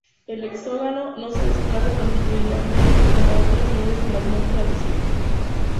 El hexágono no se desplaza longitudinalmente como otras nubes en la atmósfera visible.